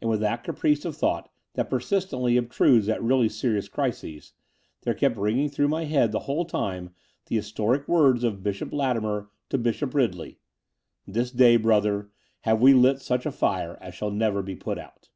And with that caprice of thought that persist ently obtrudes at really serious crises, there kept ringing through my head the whole time the his toric words of Bishop Latimer to Bishop Ridley — This day, brother, have we lit such a fire as shall never be put out."